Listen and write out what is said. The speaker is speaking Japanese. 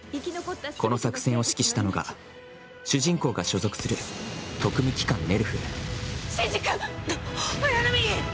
この作戦を指揮したのが、主人公が所属する「特務機関ネルフ」。